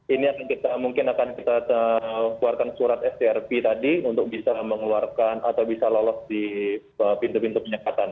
ini mungkin akan kita keluarkan surat strp tadi untuk bisa mengeluarkan atau bisa lolos di pintu pintu penyekatan